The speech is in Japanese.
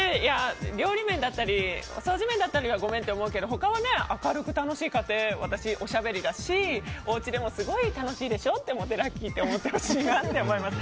料理面だったり掃除面だったりはごめんって思うけど他は明るく楽しい家庭私、おしゃべりだしおうちでもすごい楽しいでしょラッキーって思ってほしいなって思います。